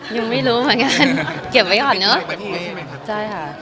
ยังไม่รู้เหมือนกันเกลียดไว้อ่อนเนอะ